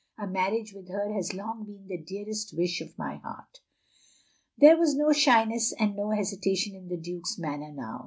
A marriage with her has long been the dearest wish of my heart." There was no shyness and no hesitation in the Duke's manner now.